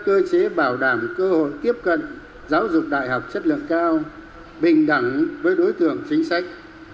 cơ chế bảo đảm cơ hội tiếp cận giáo dục đại học chất lượng cao bình đẳng với đối tượng chính sách